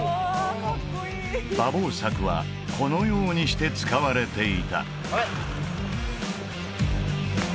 馬防柵はこのようにして使われていた・構え！